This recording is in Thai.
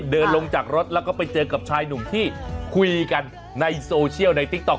เดินลงจากรถแล้วก็ไปเจอกับชายหนุ่มที่คุยกันในโซเชียลในติ๊กต๊อ